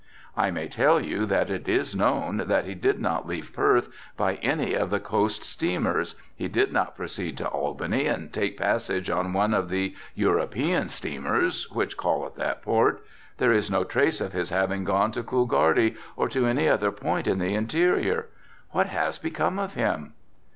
I may tell you that it is known that he did not leave Perth by any of the coast steamers, he did not proceed to Albany and take passage on one of the European steamers which call at that port, there is no trace of his having gone to Coolgardie or to any other point in the interior. What has become of him?"